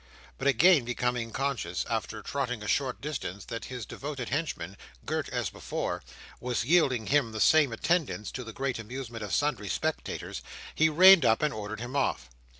But again becoming conscious, after trotting a short distance, that his devoted henchman, girt as before, was yielding him the same attendance, to the great amusement of sundry spectators, he reined up, and ordered him off.